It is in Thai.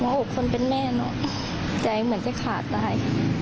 ผมเอาคนผู้เป็นแม่นอกครับใจเหมือนจะขาดตาย